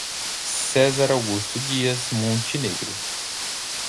Cezar Augusto Dias Montenegro